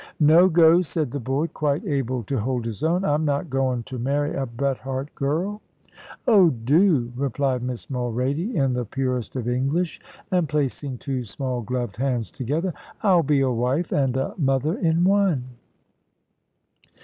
"No go," said the boy, quite able to hold his own. "I'm not goin' to marry a Bret Harte girl." "Oh, do," replied Miss Mulrady, in the purest of English, and placing two small gloved hands together. "I'll be a wife and a mother in one."